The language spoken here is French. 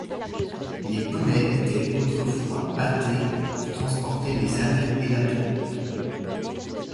Les poneys étaient autrefois bâtés pour transporter les algues et la tourbe.